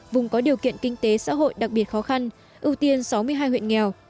vùng có điều kiện kinh tế xã hội đặc biệt khó khăn ưu tiên sáu mươi hai huyện nghèo